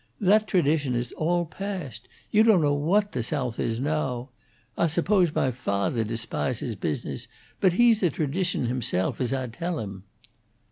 That tradition is all past. You don't know what the Soath is now. Ah suppose mah fathaw despahses business, but he's a tradition himself, as Ah tell him."